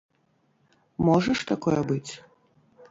Можа ж такое быць?